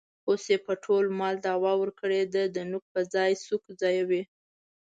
اوس یې په ټول مال دعوه ورکړې ده. د نوک په ځای سوک ځایوي.